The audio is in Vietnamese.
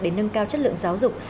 để nâng cao chất lượng giáo dục